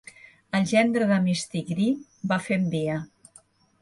El gendre de "Mistigrì" va fent via.